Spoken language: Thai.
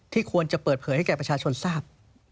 ควรจะเปิดเผยให้แก่ประชาชนทราบ